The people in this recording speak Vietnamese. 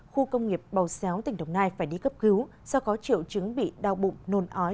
khu công nghiệp bầu xéo tỉnh đồng nai phải đi cấp cứu do có triệu chứng bị đau bụng nôn ói